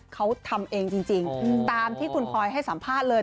เขาทำเองจริงตามที่คุณพลอยให้สัมภาษณ์เลย